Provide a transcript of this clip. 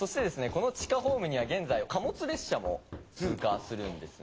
この地下ホームには現在貨物列車も通過するんですね。